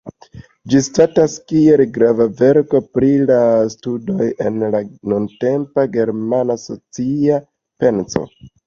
Ĝi statas kiel grava verko pri la studoj en la nuntempa germana socia penso.